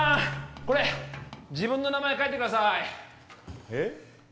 これ自分の名前書いてくださいえっ？